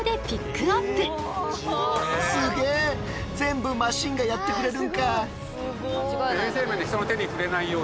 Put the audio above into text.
全部マシンがやってくれるんか。